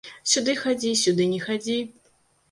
Сюды хадзі, сюды не хадзі.